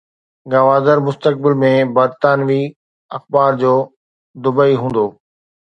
گوادر مستقبل ۾ برطانوي اخبار جو دبئي هوندو